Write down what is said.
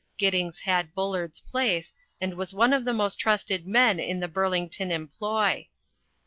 Giddings had Bullard's place, and was one of the most trusted men in the Burlington employ.